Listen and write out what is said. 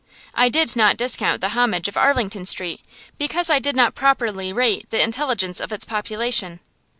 I did not discount the homage of Arlington Street, because I did not properly rate the intelligence of its population.